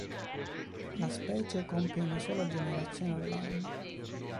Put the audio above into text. La specie compie una sola generazione all'anno.